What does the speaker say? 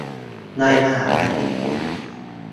ในมหาลัยญี่ปุ่น